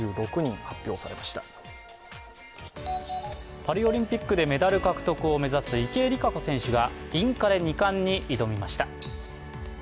パリオリンピックでメダル獲得を目指す池江璃花子選手がインカレ２冠に挑みました。